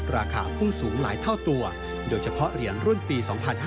ราคาพุ่งสูงหลายเท่าตัวโดยเฉพาะเหรียญรุ่นปี๒๕๕๙